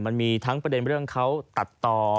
มันมีทั้งประเด็นเรื่องเขาตัดต่อ